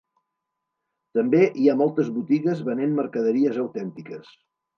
També hi ha moltes botigues venent mercaderies autèntiques.